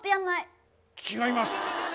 違います。